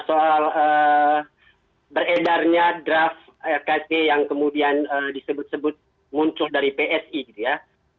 soal beredarnya draft yang kemudian disebut sebut muncul dari psi gitu ya